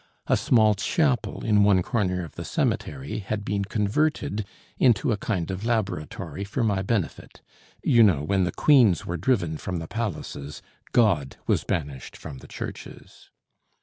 A small chapel in one corner of the cemetery had been converted into a kind of laboratory for my benefit. You know, when the queens were driven from the palaces, God was banished from the churches.